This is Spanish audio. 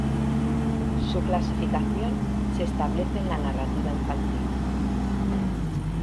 Su clasificación se establece en la narrativa infantil.